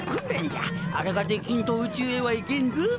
あれができんと宇宙へは行けんぞ。